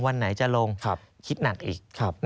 วันไหนจะลงคิดหนักอีก